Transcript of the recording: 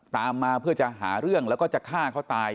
ตามมาเพื่อจะหาเรื่องแล้วก็จะฆ่าเขาตาย